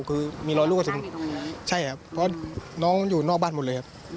คือมีรอยลูกกระสุนใช่ครับเพราะน้องอยู่นอกบ้านหมดเลยครับ